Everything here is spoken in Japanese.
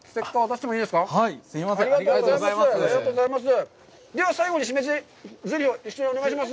ありがとうございます！